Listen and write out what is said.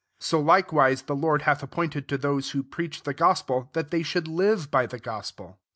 14 So likewise the Lord hath ippointed to those who preach Lhe gospel, that they should live by the gospel.